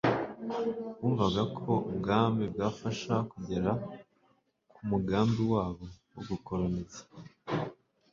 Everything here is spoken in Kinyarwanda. bumvaga ko ubwami bwabafasha kugera ku mugambi wabo wo gukorooneza